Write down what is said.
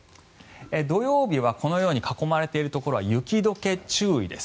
土曜日はこのように囲まれているところは雪解け注意です。